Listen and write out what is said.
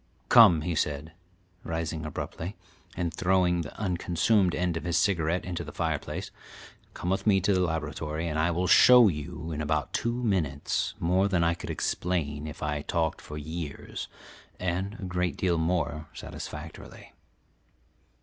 "Come," he said, rising abruptly, and throwing the unconsumed end of his cigarette into the fireplace. "Come with me to the laboratory, and I will show you in about two minutes more than I could explain if I talked for years, and a great deal more satisfactorily."